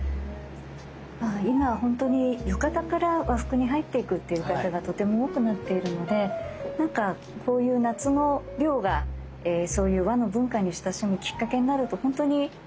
今はほんとに浴衣から和服に入っていくっていう方がとても多くなっているのでなんかこういう夏の涼がそういう和の文化に親しむきっかけになるとほんとにいいですよね。